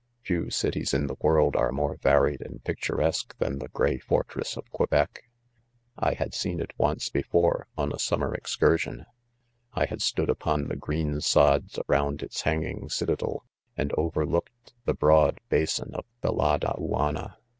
Few cities in the' world are more varied and pictur esque? than 'the gray fortress bf Quebec. I had seeriit ©nee before, 'on 1 a summer excursion* 1 had stood: upon the green sods around its hang^ irig " citadel, and overlooked the f 'broad ba~ son of the " Ladafiaiiiia.'"